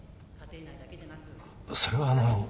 それはあのう。